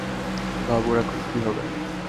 বাবুর এখন কি হবে?